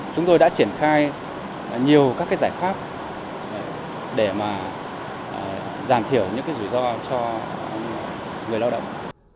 chúng tôi đã triển khai nhiều các cái giải pháp để mà giảm thiểu những cái rủi ro cho người lao động